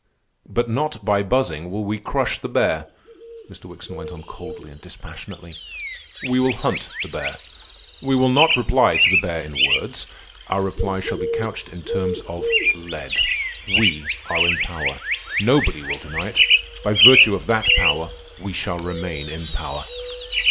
"But not by buzzing will we crush the bear," Mr. Wickson went on coldly and dispassionately. "We will hunt the bear. We will not reply to the bear in words. Our reply shall be couched in terms of lead. We are in power. Nobody will deny it. By virtue of that power we shall remain in power."